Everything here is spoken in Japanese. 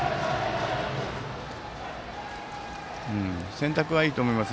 選択はいいと思います。